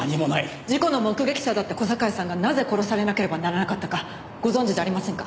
事故の目撃者だった小坂井さんがなぜ殺されなければならなかったかご存じじゃありませんか？